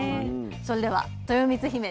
それではとよみつひめ